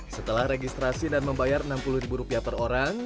setelah registrasi dan membayar rp enam puluh per orang